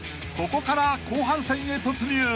［ここから後半戦へ突入］